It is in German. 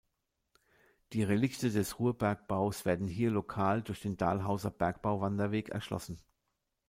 Die Relikte des Ruhrbergbaus werden hier lokal durch den Dahlhauser Bergbauwanderweg erschlossen.